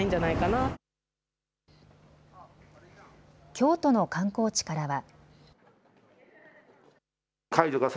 京都の観光地からは。